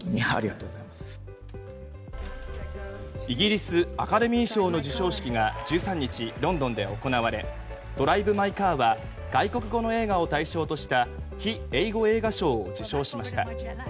イギリスアカデミー賞の授賞式が１３日ロンドンで行われ「ドライブ・マイ・カー」は外国語の映画を対象とした非英語映画賞を受賞しました。